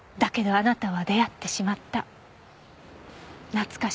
あなたは？